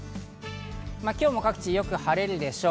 今日も各地、よく晴れるでしょう。